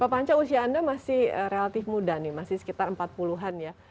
pak panca usia anda masih relatif muda nih masih sekitar empat puluh an ya